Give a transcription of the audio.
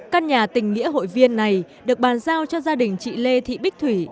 các nhà tỉnh nghĩa hội viên này được bàn giao cho gia đình chị lê thị bích thủy